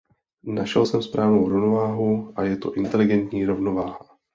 Našel jste správnou rovnováhu a je to inteligentní rovnováha.